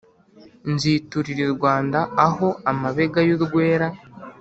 Nziturira i Rwanda Aho amabega y'urwera